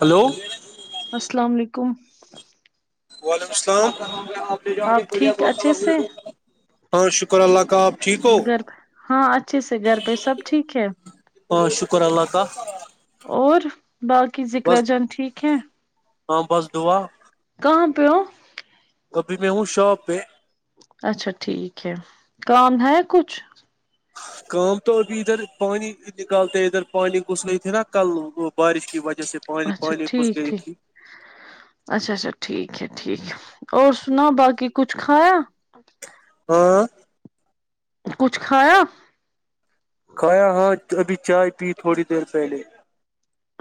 hello السلام علیکم وعلیکم السلام آپ ٹھیک اچھے سے ہاں شکر اللہ کا آپ ٹھیک ہو گھر پہ ہاں اچھے سے گھر پہ سب ٹھیک ہے ہاں شکر اللہ کا اور باقی ذکرا بس جان ٹھیک ہے ہاں بس دعا کہاں پہ ہو ابھی میں ہوں شاپ پہ اچھا ٹھیک ہے کام ہے کچھ کام تو ابھی ادھر پانی نکالتے ادھر پانی گھس گئی تھی نا کل وہ بارش کی وجہ سے پانی اچھا پانی گھس ٹھیک گئی ٹھیک تھی اچھا اچھا ٹھیک ہے ٹھیک ہے اور سناؤ باقی کچھ کھایا ہاں کچھ کھایا کھایا ہاں ابھی چائے پی تھوڑی دیر پہلے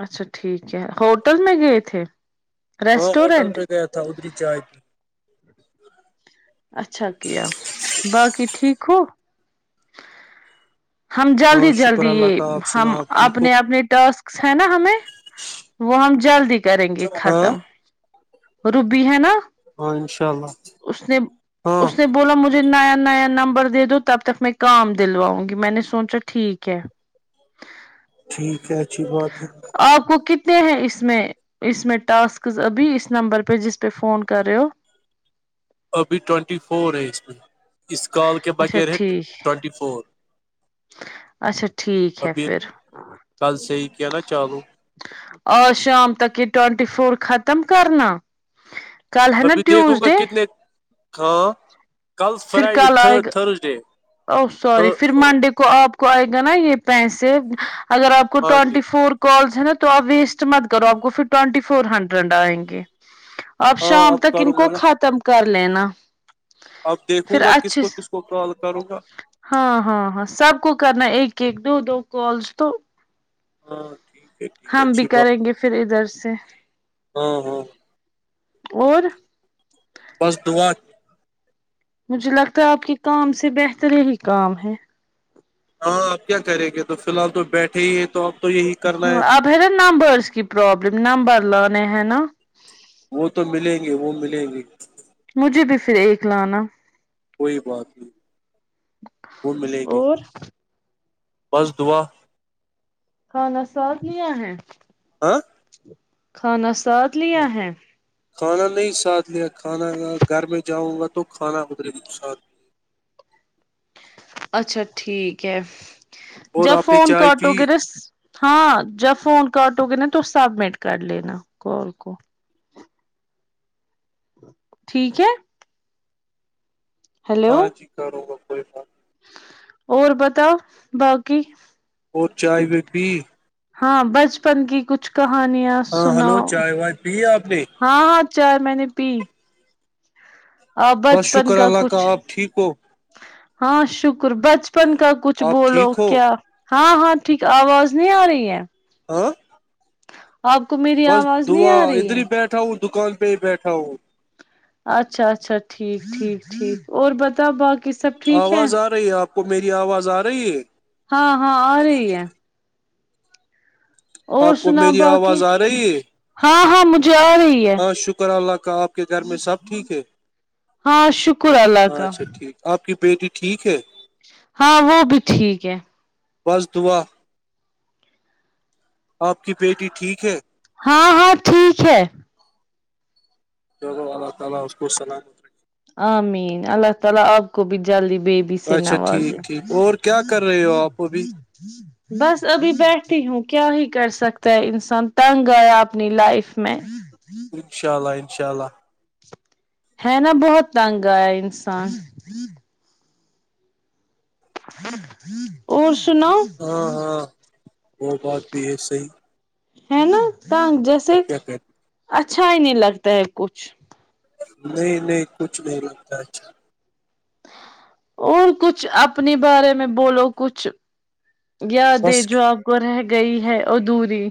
اچھا ٹھیک ہے ہوٹل میں گئے تھے ہاں ہوٹل ریسٹورینٹ پہ گیا تھا ادھری چائے پی اچھا کیا باقی ٹھیک ہو ہم ہاں جلدی شکر جلدی اللہ یہ کا آپ ہم سنا آپ ٹھیک ہو اپنے اپنے ٹرسک ہے نا ہمیں وہ ہم جلدی کریں گے ہاں ختم روبی ہے نا ہاں انشاء اللہ اس نے ہاں اس نے بولا مجھے نیا نیا نمبر دے دو تب تک میں کام دلواؤں گی میں نے سوچا ٹھیک ہے ٹھیک ہے اچھی بات ہے آپ کو کتنے ہیں اس میں اس میں ٹاسک ابھی اس نمبر پہ جس پہ فون کر رہے ہو ابھی ٹونٹی فور ہے اس میں اس کال کے اچھا بغیر ہے ٹھیک ٹونٹی فور اچھا ٹھیک ہے ابھی پھر کل سے ہی کیا نا چالو آج شام تک یہ ٹونٹی فور ختم کرنا کل ہے نا ابھی دیکھوں گا ٹیوزڈے کتنے ہاں کل پھر فرائیڈے کل تھ آئے تھرسڈے او تھ سوری پھر منڈے آپ کو آئے گا نا یہ پیسے اگر آپ کو ہاں جی ٹوینٹی فور کالس ہے نا تو آپ ویسٹ مت کرو آپ کو پھر ٹوینٹی فور ہنڈریڈ آئیں گے اب ہاں شام تک کروں ان کو گا نا ختم کر لینا اب پھر دیکھوں گا کس اچھے کو سے کس کو کال کروں گا ہاں ہاں ہاں سب کو کرنا ایک ایک دو دو کالس تو ہاں ٹھیک ہے ٹھیک ہے ہم بھی اچھی بات کریں گے پھر ادھر سے ہاں ہاں اور بس دعا مجھے لگتا ہے آپ کے کام سے بہتر ہی کام ہے ہاں آپ کیا کریں گے تو فی الحال تو بیٹھے ہی ہیں تو اب تو یہی کرنا ہے اب ہے نا نمبرس کی پروابلم نمبر لانے ہے نا وہ تو ملیں گے وہ ملیں گے مجھے بھی پھر ایک لانا کوئی بات نہیں وہ ملے گی اور بس دعا کھانا ساتھ لیا ہے ہاں کھانا ساتھ لیا ہے کھانا نہیں ساتھ لیا کھانا گھر میں جاؤں گا تو کھانا ادھرے ساتھ اچھا ٹھیک ہے اور جب آپ نے فون چائے پی کاٹو گرس ہاں جب فون کاٹو گے نا تو سبمٹ کر لینا کال کو ٹھیک ہے ہیلو ہاں جی کروں گا کوئی بات نہیں اور بتاؤ باقی اور چائے پی ہاں بچپن کی کچھ کہانیاں ہاں ہلو سناؤ چائے وائے پی آپ نے ہاں ہاں چائے میں نے پی آپ بس بچپن شکر کا اللہ کچھ آپ ٹھیک ہو ہاں شکر بچپن کا کچھ آپ بولو ٹھیک ہو کیا ہاں ہاں ٹھیک آواز نہیں آ رہی ہے ہاں آپ کو میری بس آواز نہیں دعا آ رہی ادھر ہے ہی بیٹھا ہوں دکان پہ ہی بیٹھا ہوں اچھا اچھا ٹھیک ٹھیک ٹھیک اور بتا باقی سب ٹھیک ہے آواز آ رہی ہے آپ کو میری آواز آ رہی ہے ہاں ہاں ا رہی ہے اور آپ کو سنا میری باقی آواز آ رہی ہے ہاں ہاں مجھے آ رہی ہے ہاں شکر اللہ کا آپ کے گھر میں سب ٹھیک ہے ہاں شکر اللہ ہاں کا اچھا ٹھیک آپ کی بیٹی ٹھیک ہے ہاں وہ بھی ٹھیک ہے بس دعا آپ کی بیٹی ٹھیک ہے ہاں ہاں ٹھیک ہے اللہ تعالی اس کو سلامت رکھے امین اللہ تعالی آپ کو بھی جلی بیٹی رکھے سے اچھا ٹھیک نوازے ٹھیک اور کیا کر رہے ہو آپ ابھی بس ابھی بیٹتی ہوں کیا ہی کر سکتا ہے انسان تنگ آیا اپنی لائف میں انشاء اللہ انشاء اللہ ہے نا بہت تنگ آیا انسان [unintelligible] اور سناو ہاں ہاں وہ بات بھی ہے صحیح ہے نا تنگ جیسے آپ کیا کہتے اچھا نہیں لگتا ہے کچھ نہیں نہیں کچھ نہیں لگتا اچھا اور کچھ اپنے بارے میں بولو کچھ یاد ہے بس جو آپ کو رہ گئی ہے ادھوری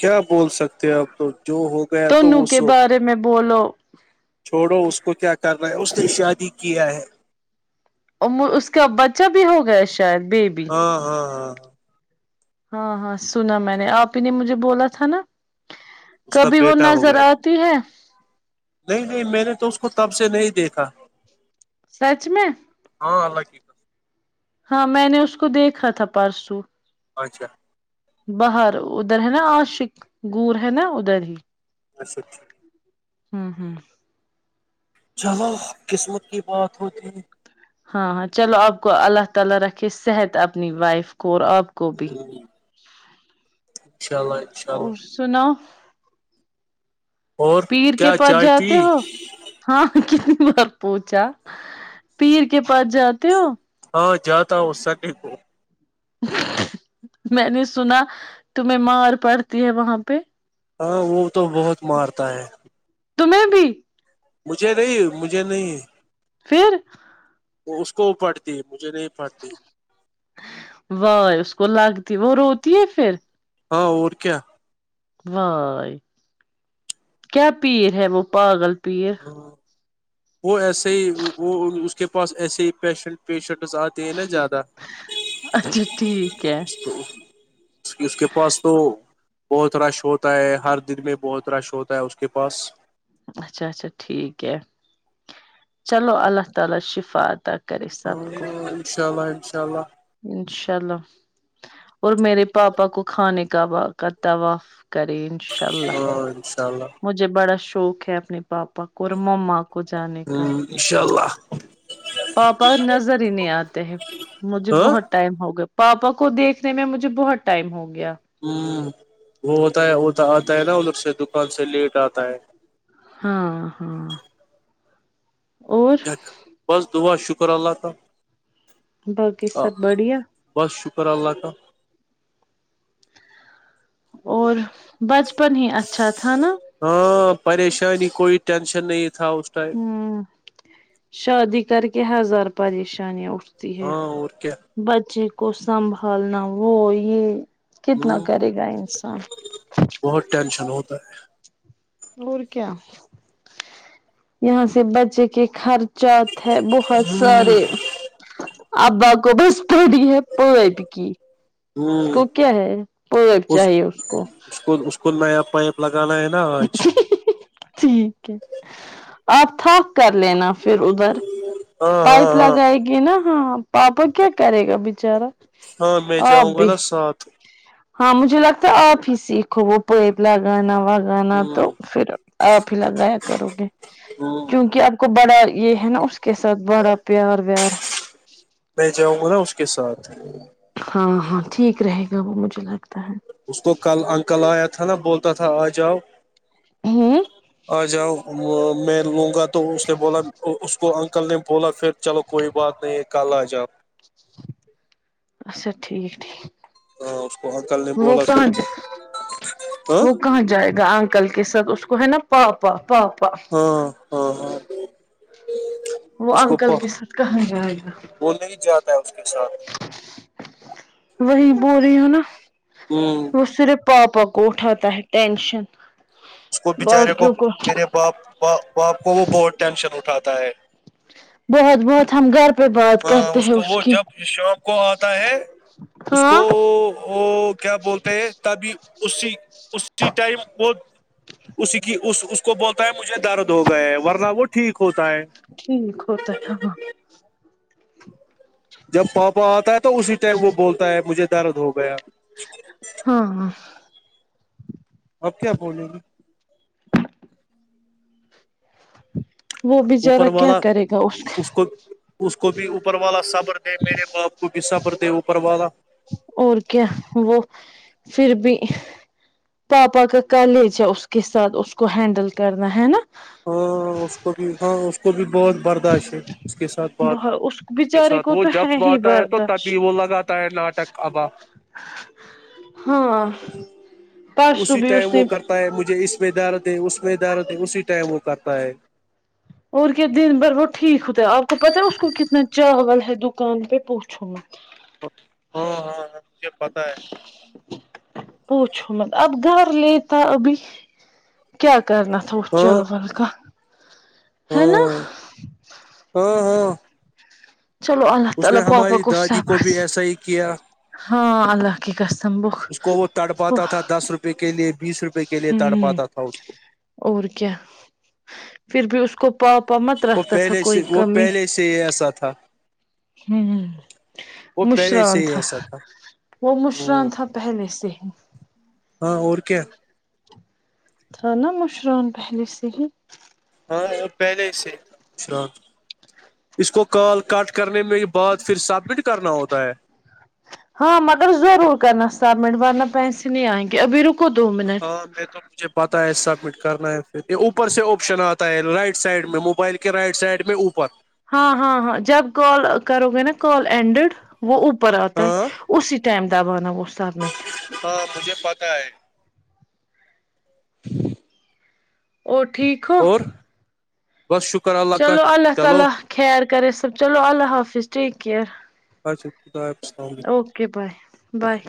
کیا بول سکتے اب تو جو ہو گیا تو تونو وہ کے سو بارے میں بولو چھوڑو اس کو کیا کرنا‌ ہے اس نے شادی کیا ہے اور اس کا بچہ بھی ہو گیا شاید بیبی ہاں ہاں ہاں ہاں ہاں سنا میں نے آپ ہی نے مجھے بولا تھا نا اس کا کبھی وہ بیٹا ہو نظر گیا آتی ہے نہیں نہیں میں نے تو اس کو تب سے نہیں دیکھا سچ میں ہاں اللہ کی قسم ہاں میں نے اس کو دیکھا تھا پرسو اچھا باہر ادھر ہے نا آشق گور ہے نا ادھر ہی اچھا اچھا ہوں ہوں چلو قسمت کی بات ہوتی ہے ہاں ہاں چلو آپ کو اللہ تعالی رکھے صحت اپنی وائف کو اور آپ گو بھی انشاء اللہ انشاء اور اللہ سنا اور پیر کے کیا پاس چائے پی جاتے ہو ہاں کتنی بار پوچھا پیر کے پاس جاتے ہو ہاں جاتا ہوں میں نے سنا تمہیں مار پڑتی ہے وہاں پہ ہاں وہ تو بہت مارتا ہے تمہیں بھی مجھے نہیں مجھے نہیں پھر تو اس کو وہ پڑھتی مجھے نہیں پڑھتی وائے اس کو لگتی وہ روتی ہے پھر ہاں اور کیا وائے کیا پیر ہے وہ پاگل پیر ہاں وہ ایسے ہی وہ اس کے پاس ایسے ہی پیشنٹ پیشنٹس آتے ہیں نا زیادہ جی اچھا ٹھیک ہے تو اس اس کے پاس تو بہت رش ہوتا ہے ہر دن میں بہت رش ہوتا ہے اس کے پاس اچھا اچھا ٹھیک ہے چلو اللہ تعالی شفا عطا کرے سب کو انشاء اللہ انشاء اللہ انشاء اللہ اور میرے پاپا کو کھانے کا واک کرتا کری انشاء اللہ ہاں انشاء اللہ مجھے بڑا شوق ہے اپنے پاپا کو اور مما کو جانے کا ان شاء اللہ پاپا نظر ہی نہیں آتے ہیں مجھے ہاں بہت ٹائم ہو گیا پاپا کو دیکھنے میں مجھے بہت ٹائم ہو گیا ہاں وہ ہوتا ہے آتا ہے نا ادھر سے دکان سے لیٹ آتا ہے ہاں ہاں اور بس دعا شکر اللہ کا باقی سب بڑھیا بس شکر اللہ کا اور بچپن ہی اچھا تھا نا ہاں پریشانی کوئی ٹینشن نہیں تھا اس ٹائم شادی کر کے ہزار پریشانیاں اٹھتی ہے ہاں اور کیا بچے کو سنبھالنا وہ یہ کتنا ہوں کرے گا انسان بہت ٹینشن ہوتا ہے اور کیا یہاں سے بچے کے خرچ ہے بہت سارے ابا کو بس پڑی ہے پیپ کی ہے اس ہوں کو کیا ہے پیپ چاہیے اس کو اس کو اس کو نیا پائپ لگانا ہے نا آج ٹھیک ہے آپ تھف کر لینا پھر ادھر ہاں پائپ ہاں ہاں لگائے گی نا ہاں پاپا کیا کرے گا بچارا ہاں میں جاؤں آپ گا بھی نا ساتھ ہاں مجھے لگتا ہے آپ ہی سیکھو وہ پیپ لگانا وگانا لگانا ہ تو پھر آپ ہی لگایا کرو گے ہ کیونکہ اب کو بڑا یہ ہے نا اس کے ساتھ بڑا پیار ویار میں جاؤں گا نا اس کے ساتھ ہاں ہاں ٹھیک رہے گا وہ مجھے لگتا ہے اس کو کل انکل آیا تھا نا بولتا تھا آ جاؤ ہوں آ جاؤ میں لوں گا تو اس نے بولا اس کو انکل نے بولا پھر چلو کوئی بات نہیں ہے کل آ جاؤ اچھا ٹھیک ٹھیک ہاں اس کو انکل نے وہ بولا پھر کہاں جائیں ہاں وہ کہاں جائیں گا انکل کے ساتھ اس کو ہے نا پاپا پاپا ہاں ہاں ہاں وہ اس کو انکل کے ساتھ کہاں جائے گا وہ نہیں جاتا ہے اس کے ساتھ وہی بو رہی ہوں نا ہوں وہ صرف پاپا کو اٹھا تاہ ٹینشن اس کو بچارے باقوں کو میرے باپ باپ کو وہ بہت ٹینشن اٹھاتا ہے بہت بہت ہم گھر پہ بات ہاں کرتے اس ہیں کو وہ کی جب شام کو آتا ہے اس کو ہاں وہ کیا بولتے ہیں تبھی اسی اسی ٹائم وہ اسی کی اس اس کو بولتا ہے مجھے دار درد ہو گئے ورنہ وہ ٹھیک ہوتا ہے ٹھیک ہوتا ہے ہاں جب پاپا آتا ہے تو اسی ٹائم وہ بولتا ہے مجھے درد ہو گیا ہاں اب کیا بولیں گے وہ اوپر بچارہ کیا والا کرے گا اس نے اس کو بھی اوپر والا صبر دے میرے باپ کو بھی صبر دے اوپر والا اور کیا وہ پھر بھی پاپا کا کالج ہے اس کے ساتھ اس کو ہینڈل کرنا ہے نا ہاں اس کو بھی ہاں اس کو بھی بہت برداشت ہے اس کے ساتھ بات بہت اس کے بچارے ساتھ کو وہ تو ہے جب ہی آتا ہے تو تبھی برداشت وہ لگاتا ہے ناٹک آبا ہاں پرسوں اسی بھی ٹائم اس وہ نے کرتا ہے مجھے اس میں دارد ہے اس میں دارد ہے اسی ٹائم وہ کرتا ہے اور کیا دن بھر وہ ٹھیک ہوتا ہے آپ کو پتاہ ہے اس کو کتنا چاول ہے دکان پہ پوچھوں مت ہ [inaudible] ہاں ہاں ہاں مجھے پتہ ہے پوچھو مت اب گھر لیتا ابھی کیا کرنا تھا اس ہاں چاول کا ہے نا ہاں ہاں ہاں چلو اللہ اس نے تعالی پاپا ہماری کو دادی صبر بھی دے ایسا ہی کیا ہاں اللہ کی کسم وہ اس کو وہ تڑ وہ پاتا تھا دس کے لیے بیس روپئے کے لیے تڑ پاتا تھا اس کو اور کیا پھر بھی اس کو پاپا مت وہ رکھتا تھا پہلے سے کوئی وہ کمی پہلے ایسا تھا ہوں وہ پہلے سے مشران ہی تھا ایسا وہ مشران ہ تھا پہلے سے ہاں اور کیا تھا نا مشران پہلے سے ہی ہاں ہاں پہلے ہی سے مشران اس کو کال کٹ کرنے میں بعد پھر سبمٹ کرنا ہوتا ہے ہاں مگر ضرور کرنا سبمٹ وارنہ پیسی نہیں آئیں گے ابھی رکو دو منٹ ہاں میں تو مجھے پتا ہے سبمٹ کرنا ہے پھر یہ اوپر سے آپشن آتا ہے رائٹ سائڈ میں موبائل کے رائٹ سائڈ میں اوپر ہاں ہاں ہاں جب کال کرو گے نا کال اینڈیڈ وہ اوپر آتا ہے ہاں اسی ائم دبانا وہ سبمٹ ہاں مجھے پتا ہے اور ٹھیک ہو اور بس شکر اللہ کا چلو اللہ چلو تعالی خیر کرے سب چلو اللہ حافظ ٹیک کیر اچھا خدا حافظ ا علیکم اوکے بائے بائے